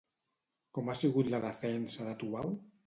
Com ha sigut la defensa de Tubau?